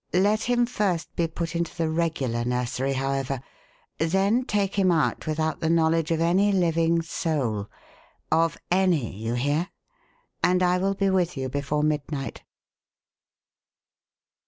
Let him first be put into the regular nursery, however, then take him out without the knowledge of any living soul of any, you hear? and I will be with you before midnight."